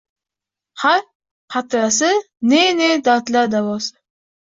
Har qatrasi ne-ne dardlar davosi.